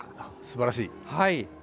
すばらしい。